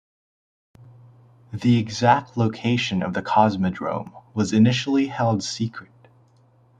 The exact location of the cosmodrome was initially held secret.